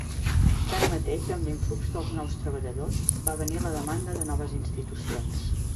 Tanmateix, amb l'influx dels nous treballadors va venir la demanda de noves institucions.